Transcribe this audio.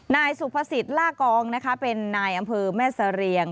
นายสุพฤษิฤราคองเป็นนายอำเภอแม่เสรียง